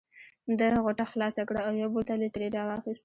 ده غوټه خلاصه کړه او یو بوتل یې ترې را وایست.